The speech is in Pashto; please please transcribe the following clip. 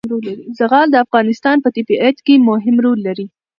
زغال د افغانستان په طبیعت کې مهم رول لري.